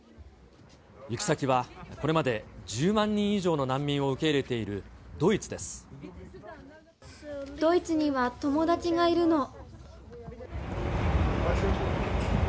行き先は、これまで１０万人以上の難民を受け入れているドイツでドイツには友達がいるの。